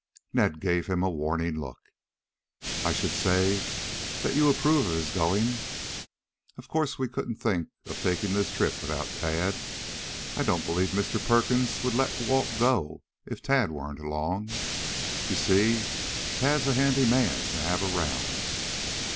Ned gave him a warning look. "I should say that you approve of his going. Of course we couldn't think of taking this trip without Tad. I don't believe Mr. Perkins would let Walt go if Tad weren't along. You see, Tad's a handy man to have around.